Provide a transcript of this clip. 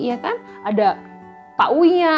ada pak uya